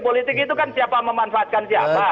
politik itu kan siapa memanfaatkan siapa